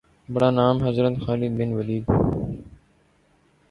بڑا نام حضرت خالد بن ولید